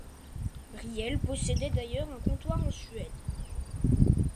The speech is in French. Brielle possédait d'ailleurs un comptoir en Suède.